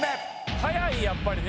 速いやっぱりね。